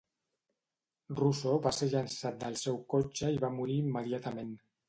Russo va ser llençat del seu cotxe i va morir immediatament.